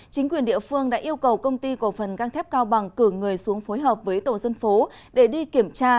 chính quyền địa phương đã yêu cầu công ty cổ phần gang thép cao bằng cử người xuống phối hợp với tổ dân phố để đi kiểm tra